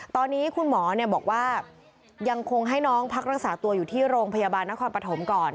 ตอนนี้คุณหมอบอกว่ายังคงให้น้องพักรักษาตัวอยู่ที่โรงพยาบาลนครปฐมก่อน